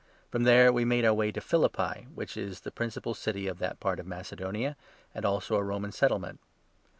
From there we made our way to Phiiippi, 12 which is the principal city of that part of Macedonia, and also a Roman Settlement.